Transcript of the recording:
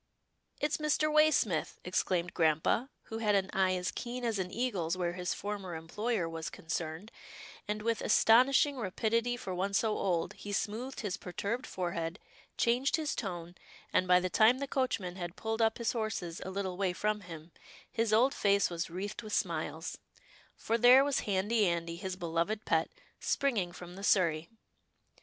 " It's Mr. Way smith," exclaimed grampa, who had an eye as keen as an eagle's where his former employer was concerned, and, with astonishing rapidity for one so old, he smoothed his perturbed forehead, changed his tone, and, by the time the coachman had pulled up his horses a little way from him, his old face was wreathed with smiles — for there was Handy Andy, his beloved pet, springing from the surrey.